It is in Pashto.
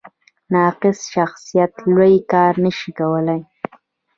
ناقص شخصیت لوی کار نه شي کولی.